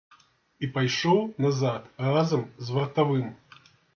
І пайшоў назад разам з вартавым.